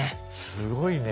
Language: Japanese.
すごいね。